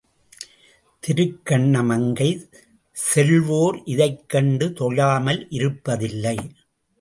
திருக்கண்ண மங்கை செல்வோர் இதைக் கண்டு தொழாமல் இருப்பதில்லை.